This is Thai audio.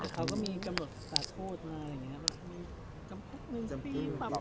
แต่เขาก็มีกำหนดสาธารณ์โทษมาอย่างเงี้ยค่ะ